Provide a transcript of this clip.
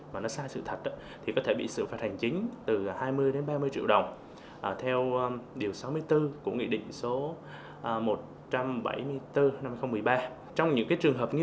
mà nó sai sự thật thì có thể bị xử phạt thành công